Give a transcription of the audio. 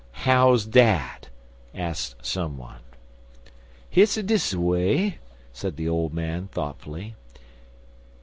"How's dat?" asked some one. "Hit's dis way," said the old man, thoughtfully.